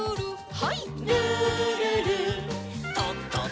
はい。